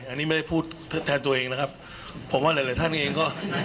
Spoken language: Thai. อันนี้ไม่ได้พูดแทนตัวเองนะครับผมว่าหลายหลายท่านเองก็